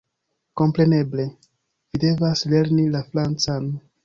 Kompreneble, vi devas lerni la francan!